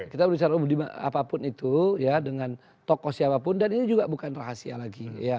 kita berbicara apapun itu ya dengan tokoh siapapun dan ini juga bukan rahasia lagi